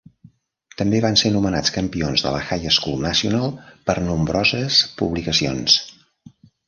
També van ser nomenats campions de la High School National per nombroses publicacions.